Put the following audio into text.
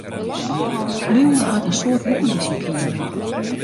Liuwe hat in soad boeken yn syn keamer.